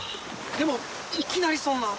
でもいきなりそんな。